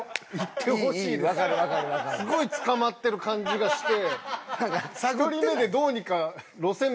すごい捕まってる感じがして。